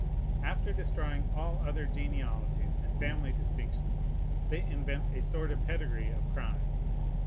After destroying all other genealogies and family distinctions, they invent a sort of pedigree of crimes.